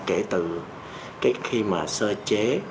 kể từ cái khi mà sơ chế